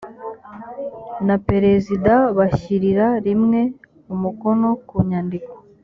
na perezida bashyirira rimwe umukono ku nyandiko